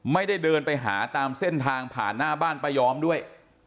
ไม่ได้เดินไปหาตามเส้นทางผ่านหน้าบ้านป้ายอมด้วย